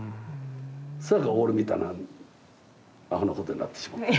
そやから俺みたいなアホなことになってしまう。